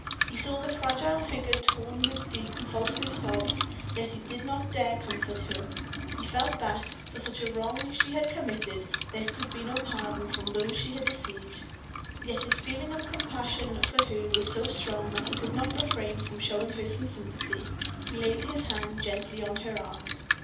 He saw the fragile figure torn with deep, convulsive sobs, yet he did not dare comfort her. He fell that, for such a wrong as she had committed, there could be no pardon from those she had deceived. Yet his feeling of compassion for her was so strong that he could not refrain from showing her some sympathy. He laid his hand gently on her arm.